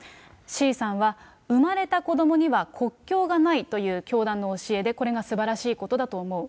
Ｃさんは、生まれた子どもには国境がないという教団の教えで、これがすばらしいことだと思う。